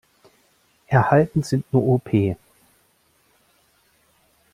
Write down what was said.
Erhalten sind nur Op.